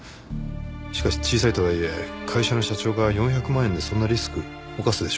しかし小さいとはいえ会社の社長が４００万円でそんなリスク冒すでしょうか？